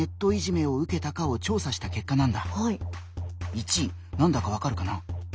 １位何だかわかるかな？